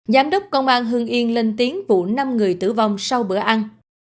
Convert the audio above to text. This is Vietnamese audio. giám đốc công an hương yên lên tiếng vụ năm người tử vong sau bữa ăn